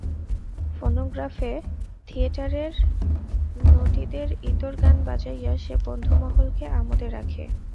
ফোনোগ্রাফে থিয়েটারের নটীদের ইতর গান বাজাইয়া সে বন্ধুমহলকে আমোদে রাখে।